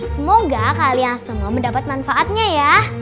semoga kalian semua mendapat manfaatnya ya